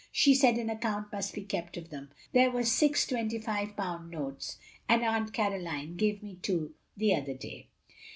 She said an account must be kept of them. There were six twenty five pound notes, and Atmt Caroline gave me two the other day."